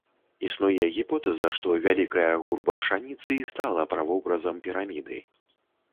Існуе гіпотэза, што вялікая гурба пшаніцы і стала правобразам піраміды.